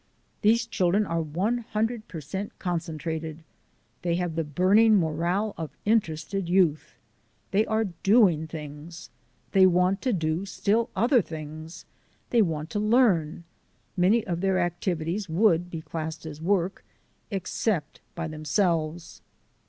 These children are one hundred per cent concentrated. They have the burning morale of interested youth. They are doing things. They want to do still other things. They want to learn. Many of their activities would be classed as work — except by themselves.